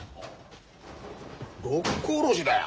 六甲おろしだよ。